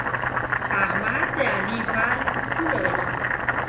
احمد د علي پل پر توره وهي.